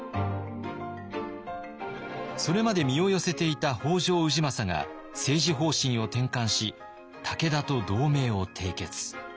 それまで身を寄せていた北条氏政が政治方針を転換し武田と同盟を締結。